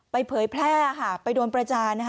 ไปเผยแพร่ไปโดนประจาน